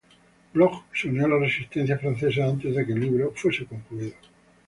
Bloch se unió a la Resistencia francesa, antes de que el libro fuese concluido.